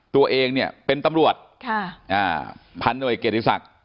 ตัวเองเป็นตำรวจพันธบทเอกเกียรติศักดิ์